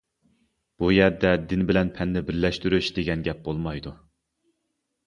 بۇ يەردە دىن بىلەن پەننى بىرلەشتۈرۈش دېگەن گەپ بولمايدۇ.